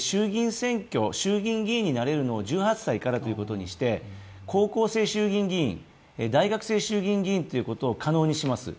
衆議院議員になれるのを１８歳からということにして高校生衆議院議員、大学生衆議院議員ということを可能にします。